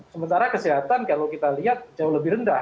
sementara kesehatan kalau kita lihat jauh lebih rendah